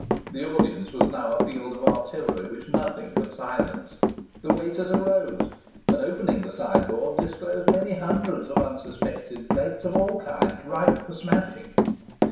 The audience was now a field of artillery which nothing could silence. The waiters arose, and, opening the sideboard, disclosed many hundreds of unsuspected plates of all kinds, ripe for smashing.